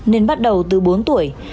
nên bắt đầu từ bốn tuổi